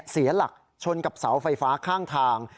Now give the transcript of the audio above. เสียหลักชนกับเสาไฟฟ้าข้างทาง